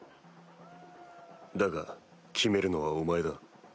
だが決めるのはお前だ。